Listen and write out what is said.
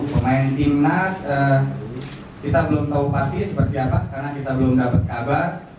pemain timnas kita belum tahu pasti seperti apa karena kita belum dapat kabar